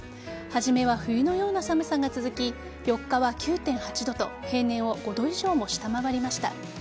初めは冬のような寒さが続き４日は９．８度と平年を５度以上も下回りました。